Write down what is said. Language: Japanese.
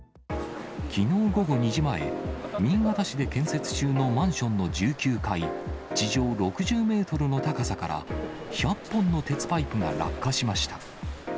きのう午後２時前、新潟市で建設中のマンションの１９階、地上６０メートルの高さから、１００本の鉄パイプが落下しました。